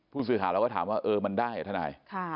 ผู้สื่อถามเราก็ถามว่ามันได้ไหมทนาย